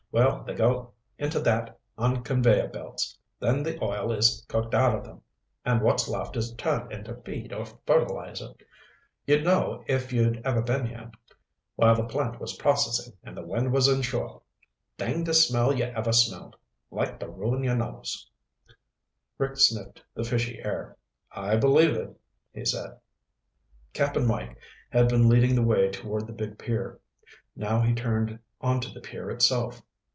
Well, they go into that on conveyer belts. Then the oil is cooked out of them and what's left is turned into feed or fertilizer. You'd know if you'd ever been here while the plant was processing and the wind was inshore. Dangdest smell you ever smelled. Like to ruin your nose." Rick sniffed the fishy air. "I believe it," he said. Cap'n Mike had been leading the way toward the big pier. Now he turned onto the pier itself.